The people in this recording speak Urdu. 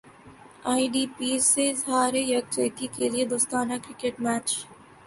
ائی ڈی پیز سے اظہار یک جہتی کیلئے دوستانہ کرکٹ میچ